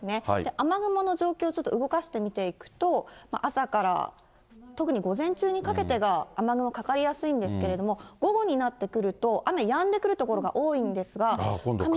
雨雲の状況、ちょっと動かして見ていくと、朝から、特に午前中にかけてが、雨雲かかりやすいんですけれども、午後になってくると、雨やんでくる所が多いんですが、雷、